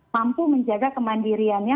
mampu menjaga kemandiriannya